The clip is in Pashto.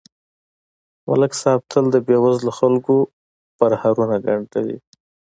ملک صاحب تل د بېوزلو خلکو پرهارونه گنډلي